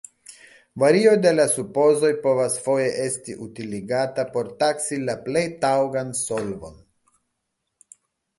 Vario de la supozoj povas foje esti utiligata por taksi la plej taŭgan solvon.